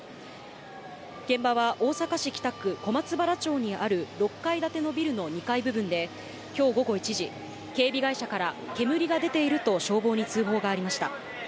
現場は大阪市北区小松原町にある６階建てのビルの２階部分で、きょう午後１時、警備会社から、煙が出ていると消防に通報がありました。